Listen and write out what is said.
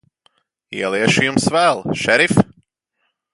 Ieliešu Jums vēl, šerif.